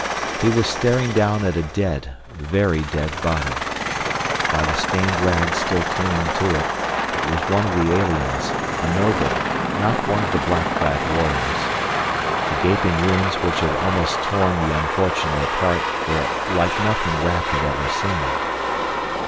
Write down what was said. He was staring down at a dead, very dead body. By the stained rags still clinging to it, it was one of the aliens, a noble, not one of the black clad warriors. The gaping wounds which had almost torn the unfortunate apart were like nothing Raf had ever seen.